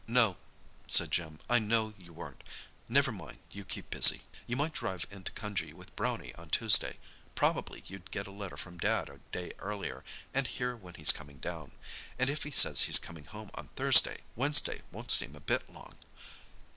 "No," said Jim, "I know you weren't. Never mind, you keep busy. You might drive into Cunjee with Brownie on Tuesday—probably you'd get a letter from Dad a day earlier, and hear when he's coming home—and if he says he's coming home on Thursday, Wednesday won't seem a bit long.